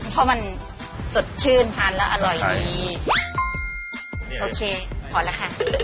เพราะมันสดชื่นทานแล้วอร่อยดีโอเคพอแล้วค่ะ